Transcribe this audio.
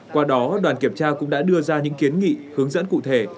qua đó đoàn kiểm tra cũng đã đưa ra những kiến nghị hướng dẫn cụ thể